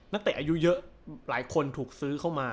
แล้วเรื่องของการสื้อตัวที่ซ้ำซ้อน